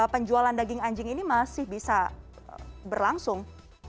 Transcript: penjualan daging anjing ini masih bisa berlangsung